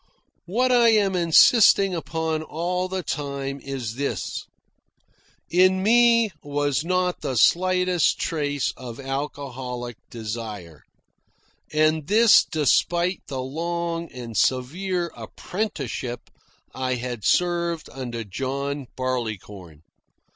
What I am insisting upon all the time is this: in me was not the slightest trace of alcoholic desire, and this despite the long and severe apprenticeship I had served under John Barleycorn.